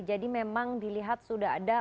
jadi memang dilihat sudah ada